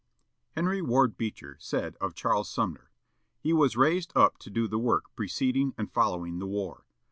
Henry Ward Beecher said of Charles Sumner: "He was raised up to do the work preceding and following the war.